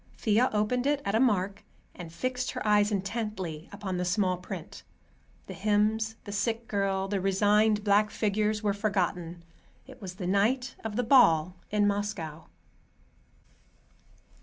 Thea opened it at a mark, and fixed her eyes intently upon the small print. The hymns, the sick girl, the resigned black figures were forgotten. It was the night of the ball in Moscow.